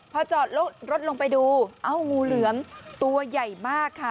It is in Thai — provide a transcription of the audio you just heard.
พอจอดรถลงไปดูเอ้างูเหลือมตัวใหญ่มากค่ะ